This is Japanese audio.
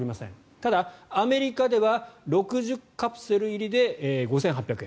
ただアメリカでは６０カプセル入りで５８００円。